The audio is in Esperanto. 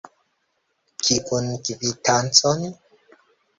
Kiun kvitancon?